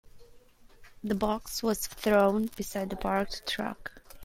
The box was thrown beside the parked truck.